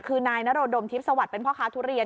คือนายนโรดมทิพย์สวัสดิ์เป็นพ่อค้าทุเรียน